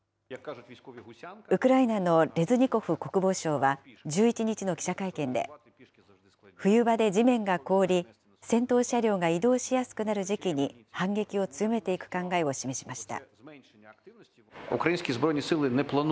ウクライナのレズニコフ国防相は１１日の記者会見で、冬場で地面が凍り、戦闘車両が移動しやすくなる時期に反撃を強めていく考えを示しました。